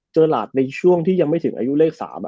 หลาดในช่วงที่ยังไม่ถึงอายุเลข๓